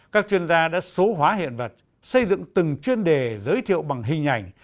các chuyên gia đã số hóa hiện vật xây dựng từng chuyên đề giới thiệu bằng hình ảnh